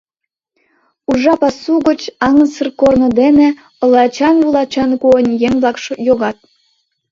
Уржа пасу гоч аҥысыр корно дене, олачан-вулачан койын, еҥ-влак йогат.